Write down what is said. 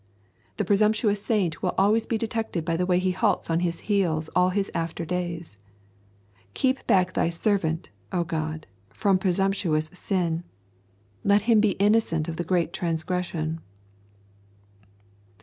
The presumptuous saint will always be detected by the way he halts on his heels all his after days. Keep back Thy servant, O God, from presumptuous sin. Let him be innocent of the great transgression.